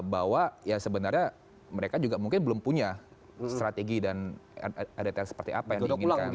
bahwa ya sebenarnya mereka juga mungkin belum punya strategi dan rdtr seperti apa yang diinginkan